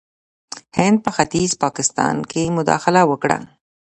هند په ختیځ پاکستان کې مداخله وکړه.